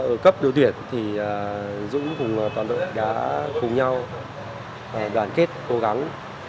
ở cấp đội tuyển thì dũng cùng toàn đội đã cùng nhau đoàn kết cố gắng